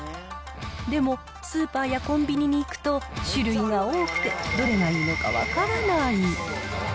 でも、スーパーやコンビニに行くと、種類が多くてどれがいいのか分からない。